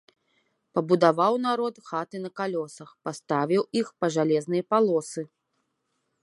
Пабудаваў народ хаты на калёсах, паставіў іх па жалезныя палосы.